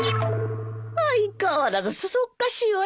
相変わらずそそっかしいわね。